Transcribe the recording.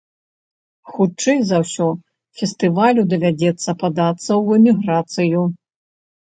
Хутчэй за ўсё, фестывалю давядзецца падацца ў эміграцыю.